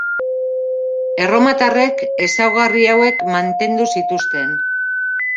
Erromatarrek ezaugarri hauek mantendu zituzten.